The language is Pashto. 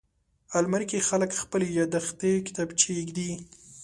الماري کې خلک خپلې یاداښتې کتابچې ایږدي